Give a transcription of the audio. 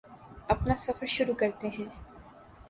اپنا سفر شروع کرتے ہیں